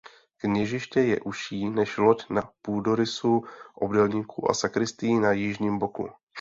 Kněžiště je užší něž loď na půdorysu obdélníku a sakristií na jižním boku.